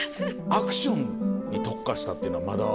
アクションに特化したっていうのはまだ。